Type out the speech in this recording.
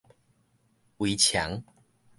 圍場